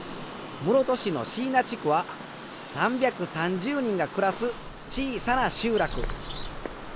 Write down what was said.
室戸市の椎名地区は３３０人が暮らす小さな集落。